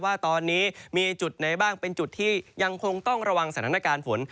ว่าตอนนี้มีจุดไหนบ้างเป็นจุดที่ยังคงต้องระวังสถานการณ์ฝน